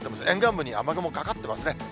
沿岸部に雨雲かかってますね。